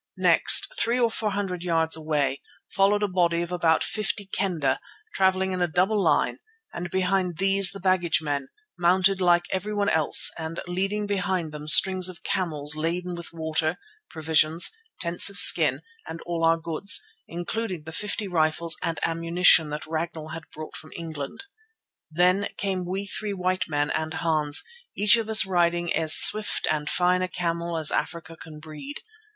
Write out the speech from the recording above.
Next, three or four hundred yards away, followed a body of about fifty Kendah, travelling in a double line, and behind these the baggage men, mounted like everyone else, and leading behind them strings of camels laden with water, provisions, tents of skin and all our goods, including the fifty rifles and the ammunition that Ragnall had brought from England. Then came we three white men and Hans, each of us riding as swift and fine a camel as Africa can breed.